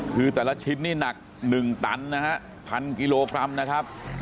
คือแต่ละชิ้นนี่หนัก๑ตันนะฮะ๑๐๐กิโลกรัมนะครับ